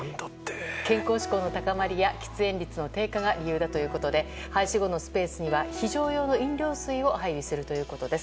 健康志向の高まりや、喫煙率の低下が理由だということで廃止後のスペースには非常用の飲料水を配備するということです。